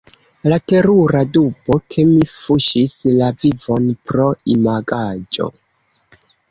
La terura dubo — ke mi fuŝis la vivon pro imagaĵo.